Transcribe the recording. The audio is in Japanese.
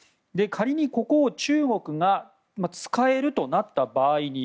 仮にここを中国が使えるとなった場合に。